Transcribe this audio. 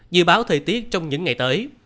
dự báo thời tiết trong những ngày tới